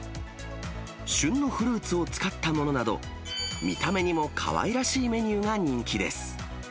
旬のフルーツを使ったものなど、見た目にもかわいらしいメニューが人気です。